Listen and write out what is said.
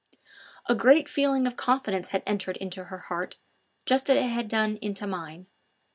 A great feeling of confidence had entered into her heart, just as it had done into mine.